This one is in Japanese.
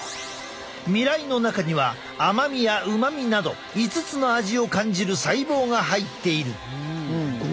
味蕾の中には甘みや旨味など５つの味を感じる細胞が入っている。